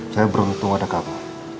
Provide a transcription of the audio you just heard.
saya beruntung ada kamu